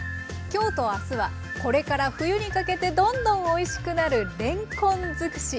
今日と明日はこれから冬にかけてどんどんおいしくなるれんこん尽くし。